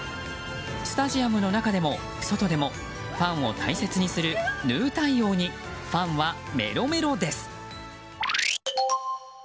スタジアムの中でも外でもファンを大切にするヌー対応にファンはメロメロです。